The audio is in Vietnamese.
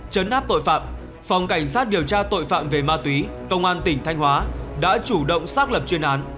chấn áp tội phạm phòng cảnh sát điều tra tội phạm về ma túy công an tỉnh thanh hóa đã chủ động xác lập chuyên án